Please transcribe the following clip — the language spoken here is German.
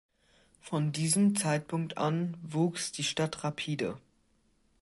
Von diesem Zeitpunkt an wuchs die Stadt rapide.